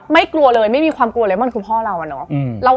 กลัวเลยไม่มีความกลัวเลยมันคือพ่อเราอะเนาะ